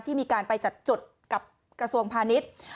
มีการไปจัดจดกับกระทรวงพาณิชย์